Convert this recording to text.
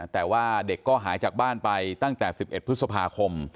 แต่ว่าเด็กก็หายจากบ้านไปตั้งแต่๑๑พฤษภาคม